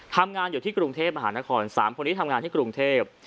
ทำงานอยู่ที่กรุงเทพมหานคร๓คนนี้ทำงานที่กรุงเทพ